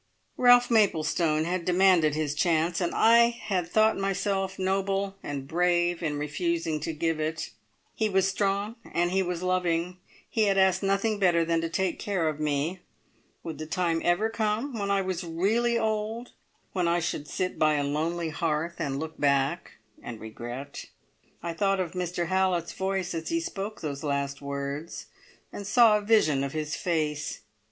Ralph Maplestone had demanded his chance, and I had thought myself noble and brave in refusing to give it. He was strong and he was loving; he had asked nothing better than to take care of me. Would the time ever come, when I was really old, when I should sit by a lonely hearth and look back and regret? I thought of Mr Hallett's voice as he spoke those last words, and saw a vision of his face.